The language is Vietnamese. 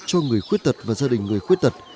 cho người khuyết tật và gia đình người khuyết tật